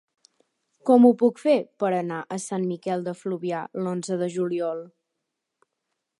Com ho puc fer per anar a Sant Miquel de Fluvià l'onze de juliol?